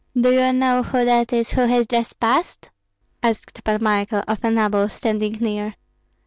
'" "Do you know who that is who has just passed?" asked Pan Michael of a noble standing near.